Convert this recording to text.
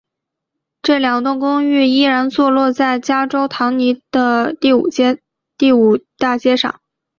这两栋公寓依然坐落在加州唐尼的第五大街上。